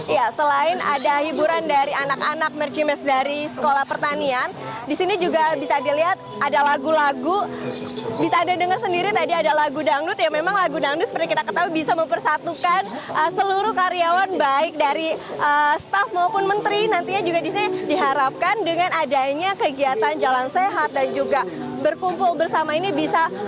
ya selain ada hiburan dari anak anak mercimess dari sekolah pertanian di sini juga bisa dilihat ada lagu lagu bisa anda dengar sendiri tadi ada lagu dangdut ya memang lagu dangdut seperti kita ketahui bisa mempersatukan seluruh karyawan baik dari staff maupun menteri nantinya juga di sini diharapkan dengan adanya kegiatan jalan sehat dan juga berkumpul bersama ini bisa